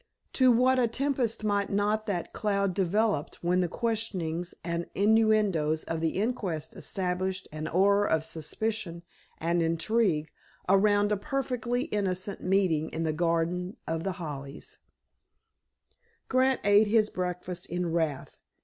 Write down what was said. To what a tempest might not that cloud develop when the questionings and innuendoes of the inquest established an aura of suspicion and intrigue around a perfectly innocent meeting in the garden of The Hollies! Grant ate his breakfast in wrath.